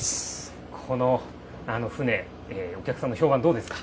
この船、お客さんの評判、どうですか。